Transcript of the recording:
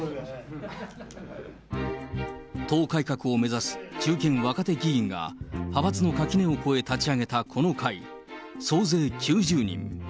党改革を目指す中堅・若手議員が、派閥の垣根を越え立ち上げたこの会、総勢９０人。